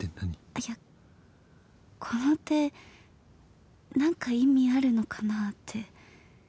あっいやこの手何か意味あるのかなって。